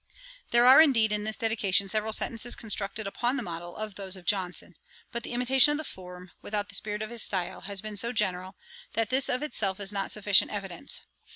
There are, indeed, in this Dedication, several sentences constructed upon the model of those of Johnson. But the imitation of the form, without the spirit of his style, has been so general, that this of itself is not sufficient evidence.